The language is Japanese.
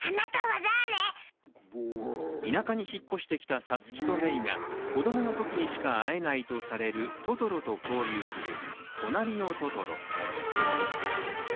田舎に引っ越してきたサツキとメイが子供のときにしか会えないとされるトトロと交流する「となりのトトロ」。